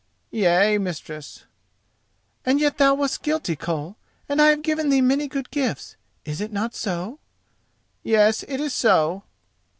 "Yea, mistress." "And yet thou wast guilty, Koll. And I have given thee many good gifts, is it not so?" "Yes, it is so."